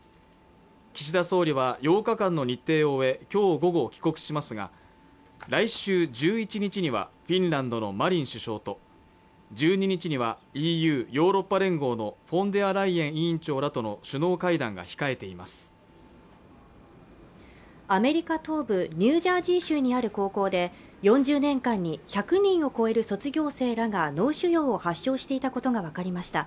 岸田総理は８日間の日程を終えきょう午後帰国しますが来週１１日にはフィンランドのマリン首相と１２日にはＥＵ＝ヨーロッパ連合のフォンデアライエン委員長らとの首脳会談が控えていますアメリカ東部ニュージャージー州にある高校で４０年間に１００人を超える卒業生らが脳腫瘍を発症していたことが分かりました